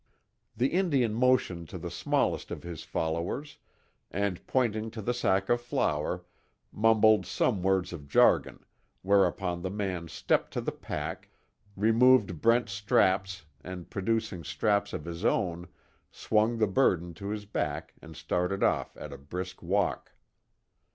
The Indian motioned to the smallest of his followers and pointing to the sack of flour, mumbled some words of jargon, whereupon the man stepped to the pack, removed Brent's straps and producing straps of his own swung the burden to his back and started off at a brisk walk.